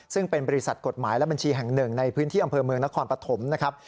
ซึ่งเป็นบริษัทกฎหมายและบัญชีแห่งหนึ่งในพื้นที่อำเภอเมืองนครปฐมนะครับ